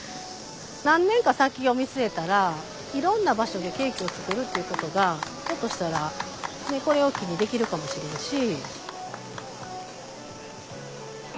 何年か先を見据えたらいろんな場所でケーキを作るっていうことがひょっとしたらこれを機にできるかもしれんし。